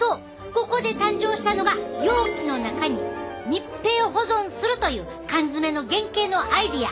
ここで誕生したのが容器の中に密閉保存するという缶詰の原型のアイデア！